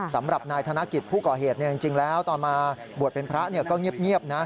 สำหรับนายธนกิจผู้ก่อเหตุจริงแล้วตอนมาบวชเป็นพระก็เงียบนะ